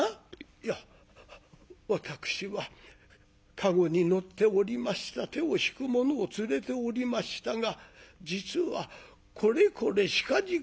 「いや私は駕籠に乗っておりました手を引く者を連れておりましたが実はこれこれしかじか」。